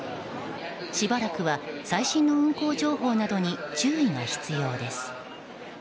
しばらくは最新の運行情報などに注意が必要です。